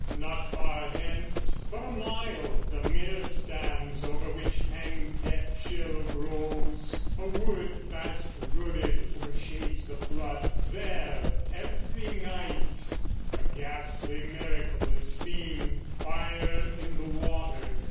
Not far hence, but a mile, The mere stands, over which hang death chill groves, A wood fast rooted overshades the flood; There every night a ghastly miracle Is seen, fire in the water.